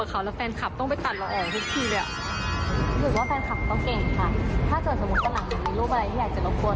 ถ้าเกิดสมมุติฝรั่งถึงมีรูปอะไรที่อยากจะรบกวน